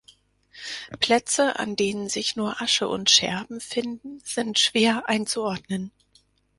Plätze, an denen sich nur Asche und Scherben finden, sind schwer einzuordnen.